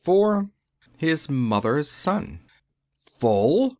IV HIS MOTHER'S SON "Full?"